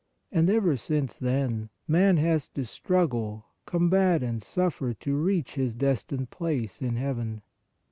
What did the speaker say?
And ever since then man has to struggle, combat and suffer to reach his destined place in heaven.